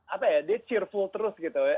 apa ya dia cheerful terus gitu ya